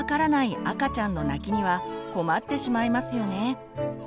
赤ちゃんの泣きには困ってしまいますよね。